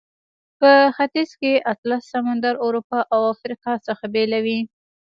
په ختیځ کې اطلس سمندر اروپا او افریقا څخه بیلوي.